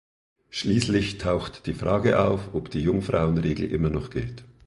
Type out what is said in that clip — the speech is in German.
Schließlich taucht die Frage auf, ob die Jungfrauen-Regel immer noch gilt.